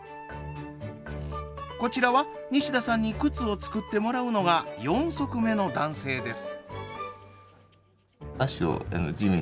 こちらは西田さんに靴を作ってもらうのが４足目の男性です。